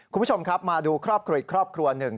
คุณผู้ชมครับมาดูครอบครัวอีกครอบครัวครอบครัวหนึ่ง